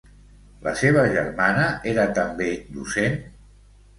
La seva germana era també docent?